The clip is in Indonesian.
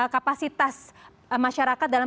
kapasitas masyarakat dalam